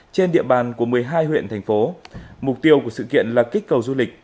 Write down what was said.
trên địa bàn của một mươi hai huyện thành phố mục tiêu của sự kiện là kích cầu du lịch